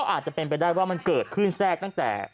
อาจจะเป็นไปได้ว่ามันเกิดขึ้นแทรกตั้งแต่